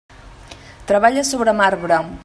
Treballa sobre marbre.